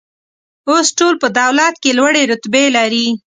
اوس ټول په دولت کې لوړې رتبې لري.